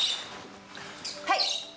はい。